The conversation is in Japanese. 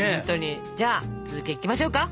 じゃあ続きいきましょうか。